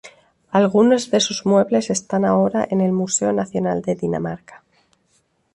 Algunos de sus muebles están ahora en el Museo Nacional de Dinamarca.